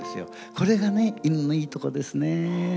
これがね、犬のいいとこですね。